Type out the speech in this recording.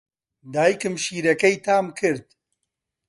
دایکم شیرەکەی تام کرد.